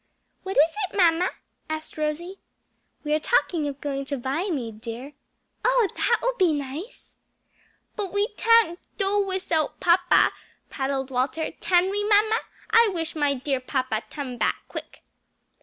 "What is it, mamma?" asked Rosie. "We are talking of going to Viamede, dear." "Oh that will be nice!" "But we tan't doe wis out papa," prattled Walter; "tan we, mamma? I wish my dear papa tum back quick."